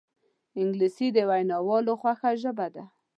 انګلیسي د ویناوالو خوښه ژبه ده